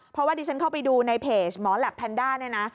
เพราะว่าดิฉันเข้าไปดูในเพจหมอแหลปแพนด้าเนี่ยนะ